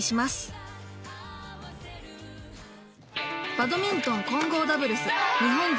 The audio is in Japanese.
バドミントン混合ダブルス日本勢